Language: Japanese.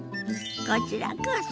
こちらこそ！